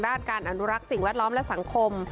ด้านการอนุรักษ์สิ่งแวดล้อมและสังคม